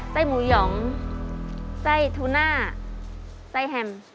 หมูหยองไส้ทูน่าไส้แฮม